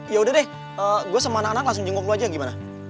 ya udah deh gue sama anak anak langsung jenguk lo aja gimana